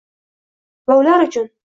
va ular uchun